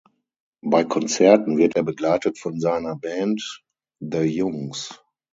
Bei Konzerten wird er begleitet von seiner Band „The Jungs“.